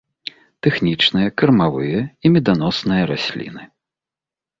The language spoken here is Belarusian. Тэхнічныя, кармавыя і меданосныя расліны.